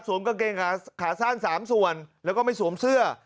กางเกงขาสั้น๓ส่วนแล้วก็ไม่สวมเสื้อ